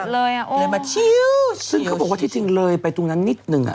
เลยไปเชี่ยวซึ่งเขาบอกว่าที่จริงเลยไปตรงนั้นนิดหนึ่ง